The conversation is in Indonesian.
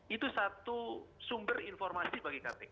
itu satu sumber informasi bagi kpk